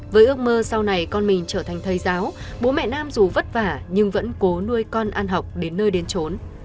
với ước mơ sau này con mình trở thành thầy giáo bố mẹ nam dù vất vả nhưng vẫn cố nuôi con ăn học đến nơi đến trốn